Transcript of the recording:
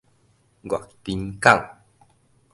月津港